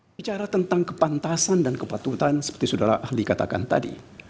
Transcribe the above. bicara tentang kepantasan dan kepatutan seperti saudara ahli katakan tadi